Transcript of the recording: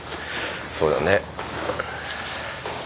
そうだよね。